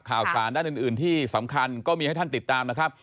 ข่าวสารด้านอื่นที่สำคัญก็มีให้ท่านติดตามนะครับ